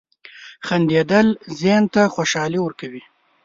• خندېدل ذهن ته خوشحالي ورکوي.